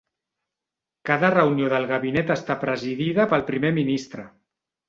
Cada reunió del gabinet està presidida pel Primer Ministre.